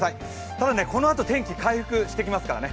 ただね、このあと天気回復してきますからね。